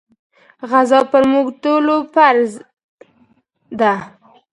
غزا پر موږ ټولو فرض ده.